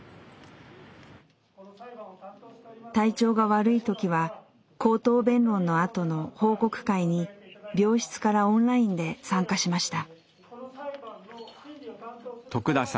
体調が悪い時は口頭弁論のあとの報告会に病室からオンラインで参加しました。